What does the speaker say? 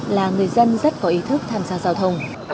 là người dân rất có ý thức tham gia giao thông